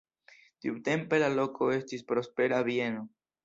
Tiutempe la loko estis prospera bieno.